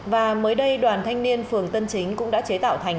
và mới đây đoàn thanh niên phường tân chính cũng đã chế tạo thành